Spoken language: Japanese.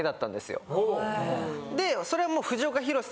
でそれは。